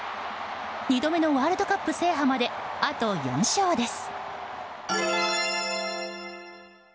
２度目のワールドカップ制覇まであと４勝です。